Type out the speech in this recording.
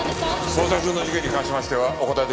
捜査中の事件に関しましてはお答えできません。